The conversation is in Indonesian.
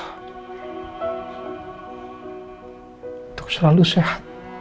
berikanlah kesembuhan untuk istriku ya allah